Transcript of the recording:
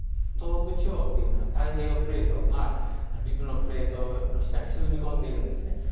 東北地方というのは、太平洋プレートが陸のプレートの下に沈み込んでいるんですね。